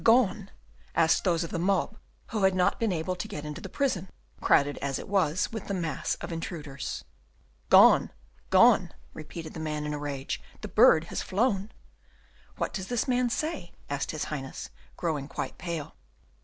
gone?" asked those of the mob who had not been able to get into the prison, crowded as it was with the mass of intruders. "Gone, gone," repeated the man in a rage, "the bird has flown." "What does this man say?" asked his Highness, growing quite pale.